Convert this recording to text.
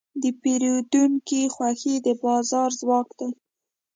د پیرودونکي خوښي د بازار ځواک دی.